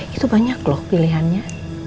itu banyak loh pilihannya